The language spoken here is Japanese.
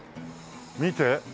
見て。